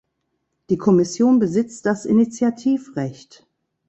Die Kommission besitzt das Initiativrecht.